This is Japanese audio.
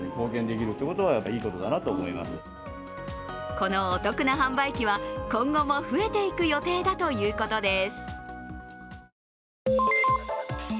このお得な販売機は今後も増えていく予定だということです。